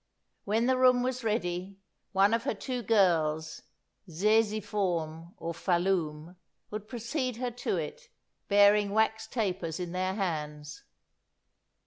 When the room was ready, one of her two girls, Zezefôrn or Falôom, would precede her to it, bearing wax tapers in their hands.